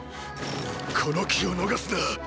この機を逃すな！！